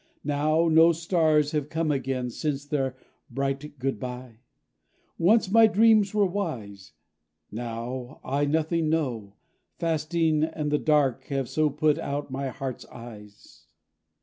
Now no stars have come again, since their bright good bye! Once my dreams were wise. Now I nothing know; Fasting and the dark have so put out my heart's eyes.